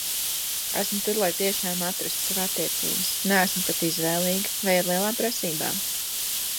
Esmu tur lai tiešām atrastu sev attiecības, neesmu pat izvēlīga vai ar lielām prasībām.